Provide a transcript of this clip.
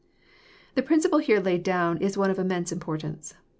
The principle here laid down is one of immense importance.